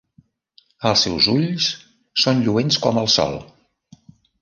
Els seus ulls són lluents com el sol.